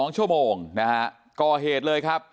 ๒ชั่วโมงนะฮะก่อเหตุเลยครับ